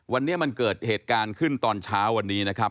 วันนี้มันเกิดเหตุการณ์ขึ้นตอนเช้า